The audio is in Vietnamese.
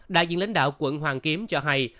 đại diện lãnh đạo quận hoàng kiếm cho hay